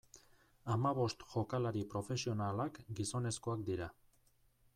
Hamabost jokalari profesionalak gizonezkoak dira.